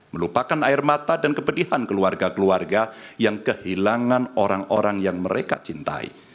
melupakan air mata dan kepedihan keluarga keluarga yang kehilangan orang orang yang mereka cintai